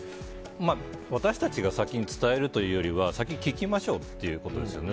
私たちが先に伝えるというよりは先に聞きましょうということですよね。